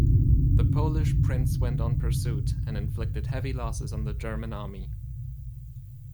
The Polish prince went on pursuit, and inflicted heavy losses on the German army.